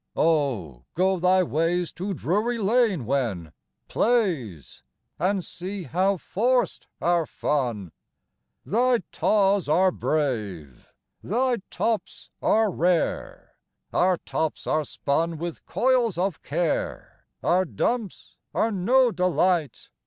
Oh, go thy ways To Drury lane when plays, And see how forced our fun! XVIII. Thy taws are brave! thy tops are rare! Our tops are spun with coils of care, Our dumps are no delight!